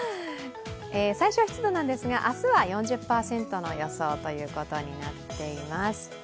最小湿度なんですが、明日は４０％という予想になっています。